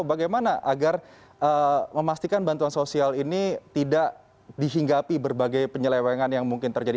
bagaimana agar memastikan bantuan sosial ini tidak dihinggapi berbagai penyelewengan yang mungkin terjadi